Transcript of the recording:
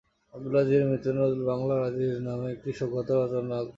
আবদুল আজীজের মৃত্যুতে নজরুল ‘বাংলার আজীজ’ নামে একটি শোকগাথা রচনা করেন।